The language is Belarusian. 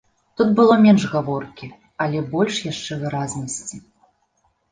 Тут было менш гаворкі, але больш яшчэ выразнасці.